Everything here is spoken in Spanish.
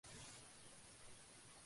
Además el chico no le causaba problemas.